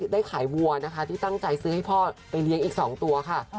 ได้ขายวัวนะคะที่ตั้งใจซื้อให้พ่อไปเลี้ยงอีก๒ตัวค่ะ